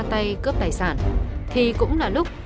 tài sản thì cũng là lúc